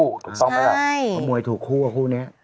ถูกต้องแล้วนะครับใช่ข้อมูลถูกคู่กับคู่นี้